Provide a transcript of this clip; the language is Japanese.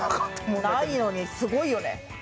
ないのに、すごいよね。